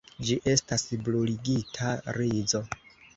Ĝi estas bruligita rizo.